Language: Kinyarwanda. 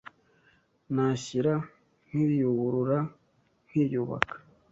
Nashyira nkiyuburura nkiyubaka.